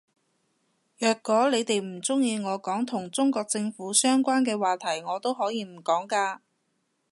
若果你哋唔鍾意我講同中國政府相關嘅話題我都可以唔講嘅